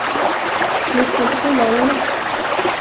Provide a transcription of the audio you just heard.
Lyssna på signalerna!